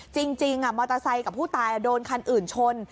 จริงมอเตอร์ไซค์กับผู้ตายโดนคันอื่นชน